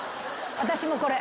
私もこれ。